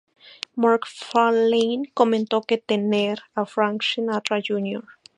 MacFarlane comentó que "tener a Frank Sinatra Jr.